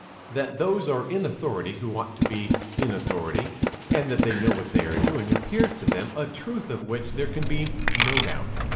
That those are in authority who ought to be in authority, and that they know what they are doing appears to them a truth of which there can be no doubt.